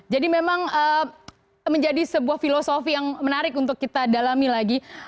jadi memang menjadi sebuah filosofi yang menarik untuk kita dalami lagi